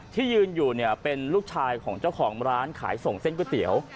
ที่ยืนอยู่เนี่ยเป็นลูกชายของเจ้าของร้านขายส่งเส้นก๋วยเตี๋ยว